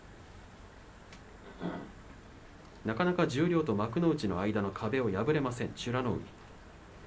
なかなか十両と幕内の間の壁を破れません、美ノ海。